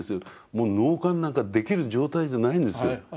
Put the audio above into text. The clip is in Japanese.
もう納棺なんかできる状態じゃないんですよ。